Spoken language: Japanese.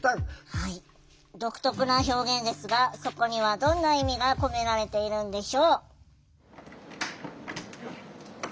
独特な表現ですがそこにはどんな意味が込められているんでしょう。